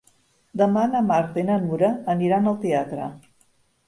Demà na Marta i na Nura aniran al teatre.